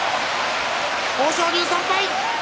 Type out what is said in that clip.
豊昇龍、３敗。